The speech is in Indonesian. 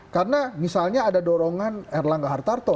karena misalnya ada dorongan erlangga hartarto